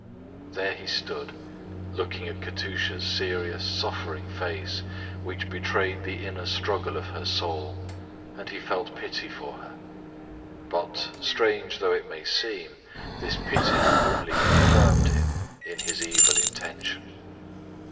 There he stood, looking at Katusha's serious, suffering face, which betrayed the inner struggle of her soul, and he felt pity for her; but, strange though it may seem, this pity only confirmed him in his evil intention.